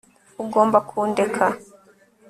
Ugomba kundeka